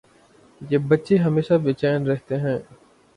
یہ بچے ہمیشہ بے چین رہتیں ہیں